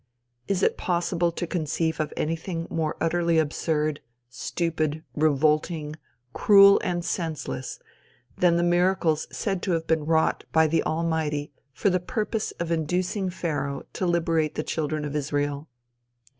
Is it possible to conceive of anything more utterly absurd, stupid, revolting, cruel and senseless, than the miracles said to have been wrought by the Almighty for the purpose of inducing Pharaoh to liberate the children of Israel?